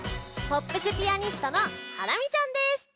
ポップスピアニストのハラミちゃんです！